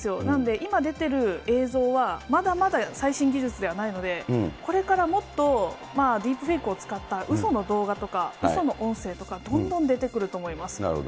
なんで、今、出ている映像は、まだまだ最新技術ではないので、これからもっとディープフェークを使ったうその動画とか、うその音声とか、どんどん出てくると思います。